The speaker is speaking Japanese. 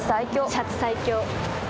シャチ最強。